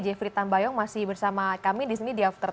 jeffrey tambayong masih bersama kami di sini di after sepuluh